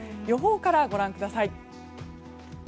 予報からご覧ください。